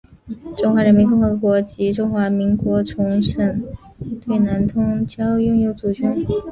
中华人民共和国及中华民国重申对南通礁拥有主权。